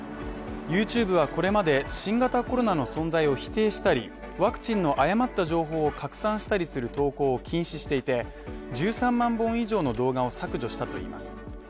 ＹｏｕＴｕｂｅはこれまで、新型コロナの存在を否定したり、ワクチンの誤った情報を拡散したりする投稿を禁止していて、１３万本以上の動画を削除したといいます。